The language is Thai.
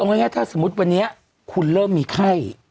แม้ถ้าสมมุติวันเนี้ยคุณเริ่มมีไข้